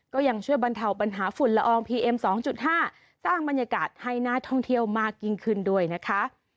ก็ยังช่วยบรรเทาปัญหาฝุ่นละอองพีเอ็ม๒๕สร้างบรรยากาศให้น่าท่องเที่ยวมากยิ่งขึ้นด้วยนะคะ